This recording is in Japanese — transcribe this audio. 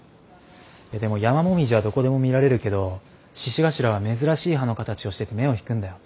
でもヤマモミジはどこでも見られるけど獅子頭は珍しい葉の形をしてて目を引くんだよ。